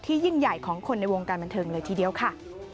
ยิ่งใหญ่ของคนในวงการบันเทิงเลยทีเดียวค่ะ